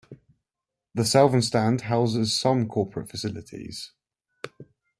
The Southern Stand houses some corporate facilities.